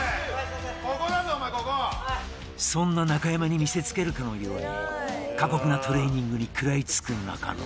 そんな仲山に見せつけるかのように過酷なトレーニングに食らいつく中野